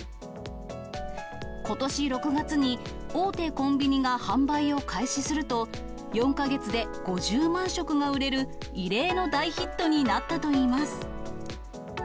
ことし６月に、大手コンビニが販売を開始すると、４か月で５０万食が売れる異例の大ヒットになったといいます。